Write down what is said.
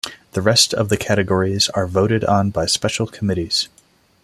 The rest of the categories are voted on by special committees.